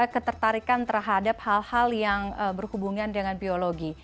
ketertarikan terhadap hal hal yang berhubungan dengan biologi